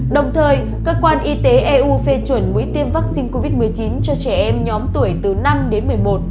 đồng thời cơ quan y tế eu phê chuẩn mũi tiêm vaccine covid một mươi chín cho trẻ em nhóm tuổi từ năm đến một mươi một